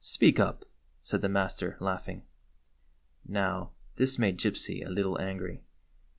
speak up !" said the master, laughing. Now, this made Gypsy a little angry.